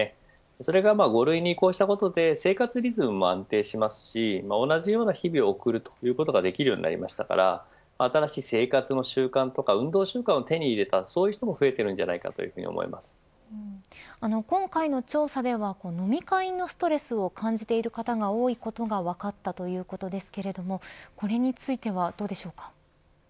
それが５類に移行したことで生活リズムも安定しますし同じような日々を送るということができるようになりましたから新しい生活習慣とか運動習慣を手に入れたそういう人も今回の調査では飲み会ストレスを感じている方が多いことが分かったということですけれどこれについてはどうでしょうか。